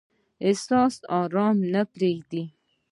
احساس ارام مې نه پریږدي.